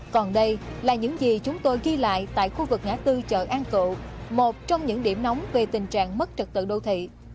còn đây là những gì chúng tôi ghi lại tại khu vực ngã tư chợ an cộ một trong những điểm nóng về tình trạng mất trật tự đô thị